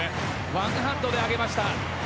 ワンハンドで上げました。